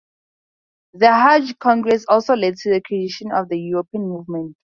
The Hague Congress also led to the creation of the European Movement.